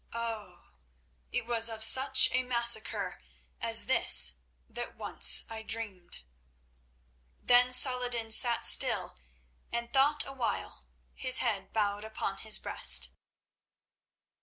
Oh! it was of such a massacre as this that once I dreamed." Then Saladin sat still and thought a while, his head bowed upon his breast.